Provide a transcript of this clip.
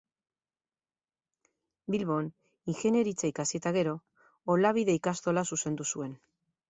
Bilbon ingeniaritza ikasi eta gero, Olabide ikastola zuzendu zuen.